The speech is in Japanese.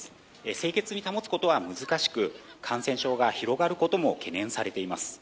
清潔に保つことは難しく感染症が広がることも懸念されています。